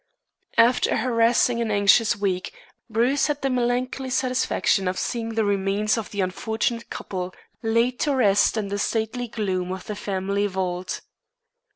After a harassing and anxious week Bruce had the melancholy satisfaction of seeing the remains of the unfortunate couple laid to rest in the stately gloom of the family vault.